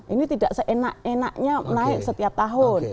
ini tidak seenak enaknya naik setiap tahun